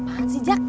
apaan sih jack